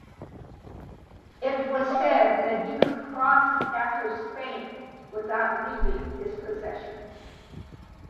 It was said that he could cross half of Spain without leaving his possessions.